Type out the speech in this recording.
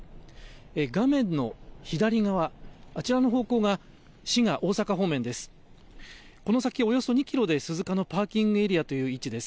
画面の左側、あちらの方向が滋賀・大阪方面です。